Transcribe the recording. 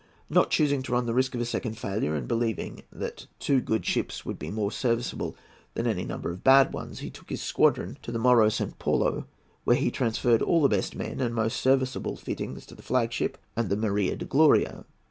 Not choosing to run the risk of a second failure, and believing that two good ships would be more serviceable than any number of bad ones, he took his squadron to the Moro San Paulo, where he transferred all the best men and the most serviceable fittings to the flag ship and the Maria de Gloria.